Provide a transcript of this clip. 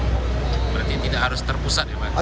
berarti tidak harus terpusat ya pak